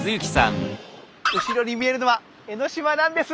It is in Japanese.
後ろに見えるのは江の島なんです！